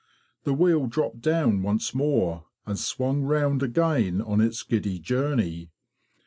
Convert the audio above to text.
The wheel dropped down once more, and swung round again on its giddy journey.